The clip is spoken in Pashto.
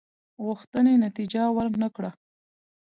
غوښتنې نتیجه ورنه کړه.